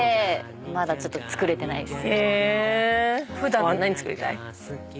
まだちょっと作れてないです。